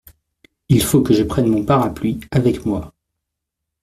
Il faut que je prenne mon parapluie avec moi.